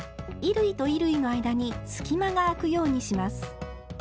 衣類と衣類の間に隙間があくようにします。